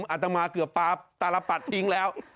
อาตมาเกือบปลาตารปัดทิ้งแล้ว